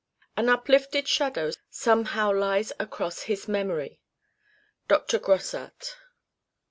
An unlifted shadow somehow lies across his memory." Dr. Grosart.